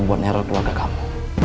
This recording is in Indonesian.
buat neror keluarga kamu